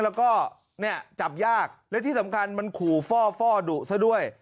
แล้วก็เนี่ยจับยากและที่สำคัญมันขู่ฟ่อดุซะด้วย